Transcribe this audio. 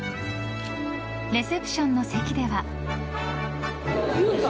レセプションの席では。